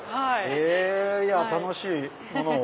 へぇ楽しいものを。